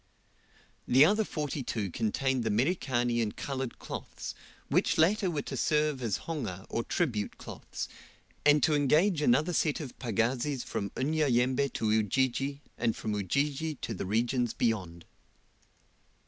The other forty two contained the Merikani and coloured cloths, which latter were to serve as honga or tribute cloths, and to engage another set of pagazis from Unyanyembe to Ujiji, and from Ujiji to the regions beyond.